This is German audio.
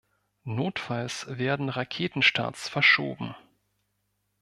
Notfalls werden Raketenstarts verschoben.